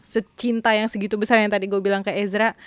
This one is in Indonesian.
secinta yang segitu besar yang tadi gue bilang ke ezra